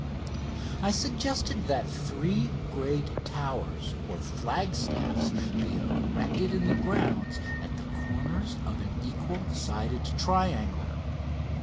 I suggested that three great towers or flagstaffs be erected in the grounds at the corners of an equal sided triangle.